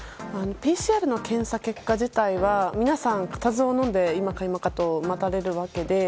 ＰＣＲの検査結果自体は皆さん固唾をのんで今か今かと待たれるわけで。